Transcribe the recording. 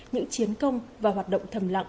những chiến công và hoạt động thầm lặng